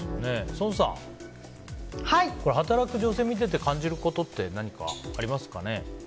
宋さん、働く女性を見てて感じることって何かありますかね？